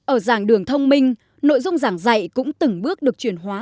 ở dạng đường thông minh nội dung dạng dạy cũng từng bước được truyền hóa